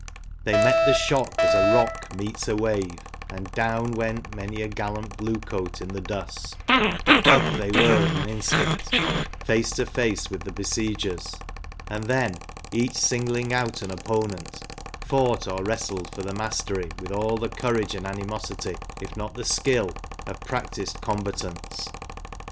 They met the shock as a rock meets a wave, and down went many a gallant Blue coat in the dust Up they were in an instant, face to face with the besiegers ; and then, each singling out an opponent, fought or wrestled for the mastery with all the courage and animosity, if not the skill, of practised combatants.